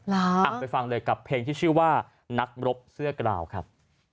อ่ะไปฟังเลยกับเพลงที่ชื่อว่านักรบเสื้อกราวครับ